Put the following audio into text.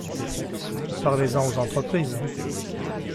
Parlez-en aux entreprises